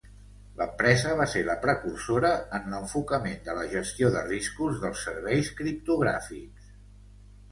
L'empresa va ser la precursora en l'enfocament de la gestió de riscos dels serveis criptogràfics.